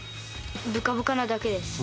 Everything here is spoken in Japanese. ぶかぶかなだけです。